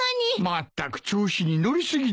まったく調子に乗り過ぎだ。